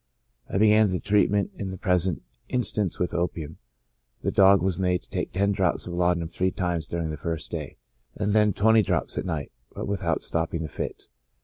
I began the treatment in the present instance with opium ; the dog was made to take ten drops of laudanum three times during the first day, and then twenty drops at night, but without stopping the fits.